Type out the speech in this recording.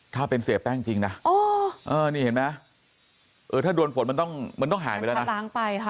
ถ้าเป็นเสพแป้งจริงนะนี่เห็นมั้ยถ้าโดนฝนมันต้องห่างไปแล้วนะ